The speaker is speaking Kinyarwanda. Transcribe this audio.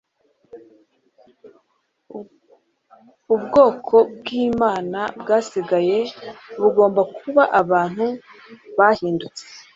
ubwoko bw'imana bwasigaye bugomba kuba abantu bahindutse